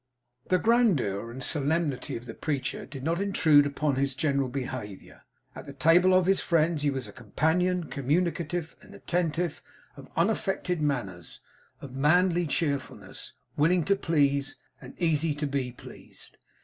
The grandeur and solemnity of the preacher did not intrude upon his general behaviour; at the table of his friends he was a companion communicative and attentive, of unaffected manners, of manly cheerfulness, willing to please, and easy to be pleased.